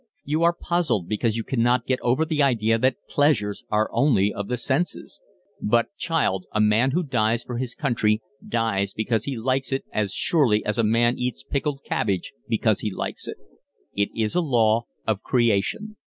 You are puzzled because you cannot get over the idea that pleasures are only of the senses; but, child, a man who dies for his country dies because he likes it as surely as a man eats pickled cabbage because he likes it. It is a law of creation.